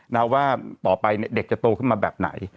นะว่าต่อไปเนี่ยเด็กจะโตขึ้นมาแบบไหน